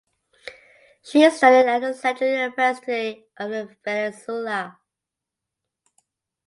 She studied at the Central University of Venezuela.